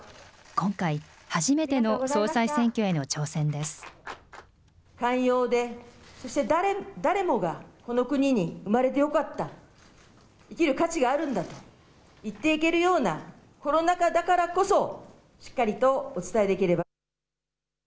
今回、初めての総裁選挙への挑戦寛容で、そして誰もが、この国に生まれてよかった、生きる価値があるんだと言っていけるような、コロナ禍だからこそ、しっかりとお伝えできれば。